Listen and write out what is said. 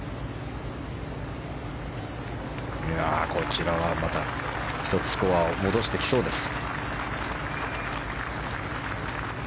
こちらはまた１つスコアを戻してきそうです。